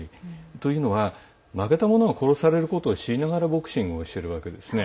というのは、負けた者が殺されることを知りながらボクシングをしているわけですね。